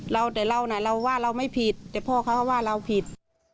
เราแต่เราน่ะเราว่าเราไม่ผิดแต่พ่อเขาก็ว่าเราผิด